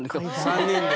３人で。